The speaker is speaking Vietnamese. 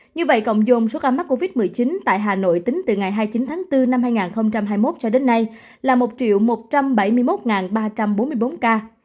như vậy cộng dồn số ca mắc covid một mươi chín tại hà nội tính từ ngày hai mươi chín tháng bốn năm hai nghìn hai mươi một cho đến nay là một một trăm bảy mươi một ba trăm bốn mươi bốn ca